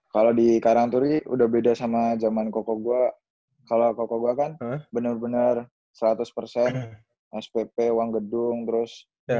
kalau di karangturi udah beda sama zaman koko kalau koko gua kan benar benar seratus persen spp uang gedung terus